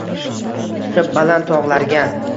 Chiqib baland togʼlarga